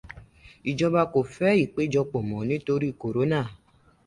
Ìjọba kò fẹ́ ìpẹ́jọpọ̀ mọ́ nítorí kọ̀rọ́nà.